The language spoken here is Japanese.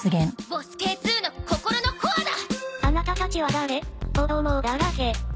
ボスＫ−２の心のコアだ！